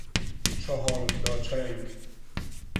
چهار لا چنگ